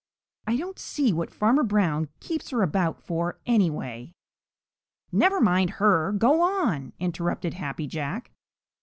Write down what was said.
I don't see what Farmer Brown keeps her about for, anyway." "Never mind her; go on!" interrupted Happy Jack.